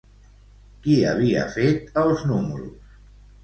Qui havia fet els números?